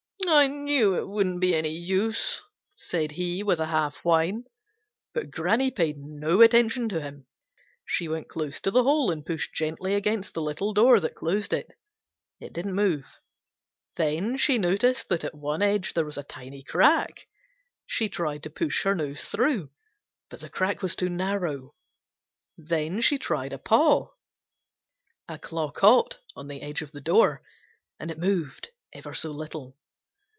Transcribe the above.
"I knew it wouldn't be any use," said he with a half whine. But Granny paid no attention to him. She went close to the hole and pushed gently against the little door that closed it. It didn't move. Then she noticed that at one edge there was a tiny crack. She tried to push her nose through, but the crack was too narrow. Then she tried a paw. A claw caught on the edge of the door, and it moved ever so little.